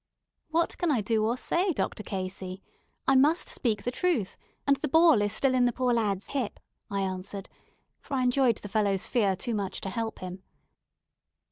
"What can I do or say, Dr. Casey? I must speak the truth, and the ball is still in the poor lad's hip," I answered, for I enjoyed the fellow's fear too much to help him.